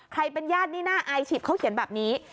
ใครเป็นญาตินี่น่าอายฉีดเขาเขียนแบบนี้